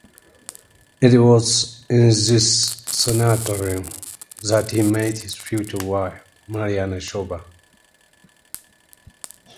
It was in this sanatorium that he met his future wife Maryanna Shorba.